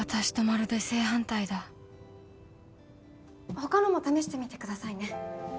ほかのも試してみてくださいね。